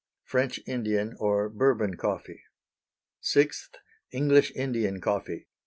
French Indian, or Bourbon Coffee._ _VI. English Indian Coffee.